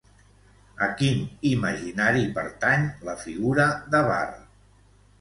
A quin imaginari pertany la figura de Vár?